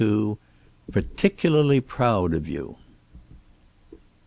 "PARTICULARLY PROUD OF YOU."